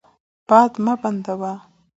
باد مه بندوه.